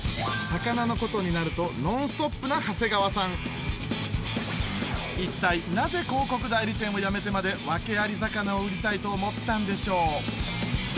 魚のことになると一体なぜ広告代理店を辞めてまでワケアリ魚を売りたいと思ったんでしょう？